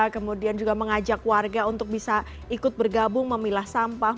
kemudian juga mengajak warga untuk bisa ikut bergabung memilah sampah